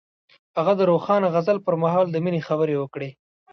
هغه د روښانه غزل پر مهال د مینې خبرې وکړې.